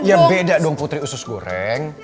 ya beda dong putri usus goreng